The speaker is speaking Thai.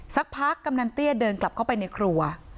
สักพักกำนันเตี้ยเดินกลับเข้าไปในครัว